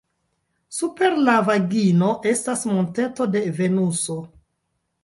Super la vagino estas monteto de Venuso.